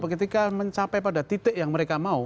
ketika mencapai pada titik yang mereka mau